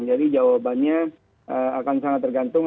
jadi jawabannya akan sangat tergantung